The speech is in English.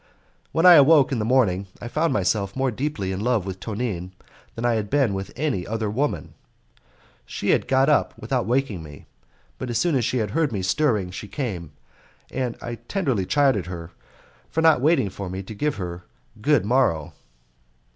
When I awoke in the morning I found myself more deeply in love with Tonine than I had been with any other woman. She had got up without waking me, but as soon as she heard me stirring she came, and I tenderly chid her for not waiting for me to give her good morrow.